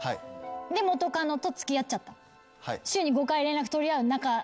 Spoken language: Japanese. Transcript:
で元カノと付き合っちゃった。